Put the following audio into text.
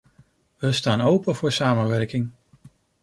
We staan open voor samenwerking.